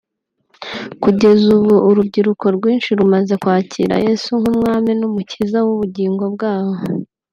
Kugeza ubu urubyiruko rwinshi rumaze kwakira Yesu nk’Umwami n’umukiza w’ubugingo bwabo